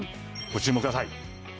ご注目ください。